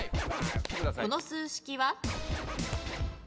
この数式は？